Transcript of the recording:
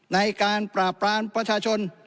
ในการปราบปรามประชาชน